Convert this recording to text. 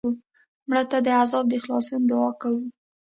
مړه ته د عذاب د خلاصون دعا کوو